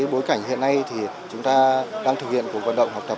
bối cảnh hiện nay thì chúng ta đang thực hiện cuộc vận động học tập